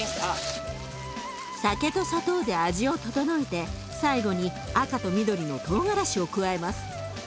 酒と砂糖で味を調えて最後に赤と緑のトウガラシを加えます。